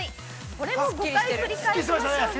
これも５回繰り返しましょうね。